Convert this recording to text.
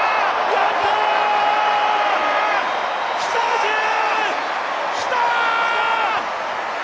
やったー！！